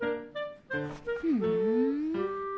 ふん。